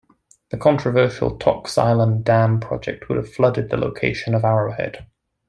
The controversial Tocks Island Dam project would have flooded the location of Arrowhead.